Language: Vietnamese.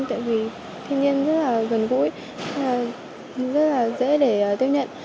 tại vì thiên nhiên rất là gần gũi rất là dễ để tiếp nhận